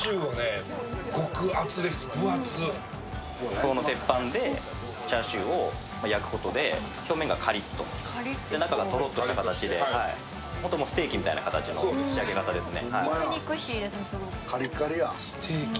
この鉄板でチャーシューを焼くことで表面がカリッと、中がとろっとした形で、ほんともうステーキみたいな形の仕上げ方ですね。